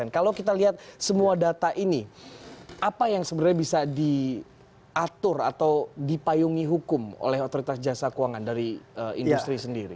kalau kita lihat semua data ini apa yang sebenarnya bisa diatur atau dipayungi hukum oleh otoritas jasa keuangan dari industri sendiri